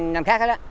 năm khác hết á